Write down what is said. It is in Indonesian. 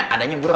adanya ibu rosa